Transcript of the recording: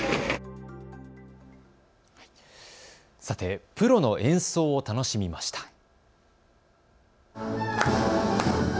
さて、プロの演奏を楽しみました。